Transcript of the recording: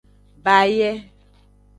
Baye.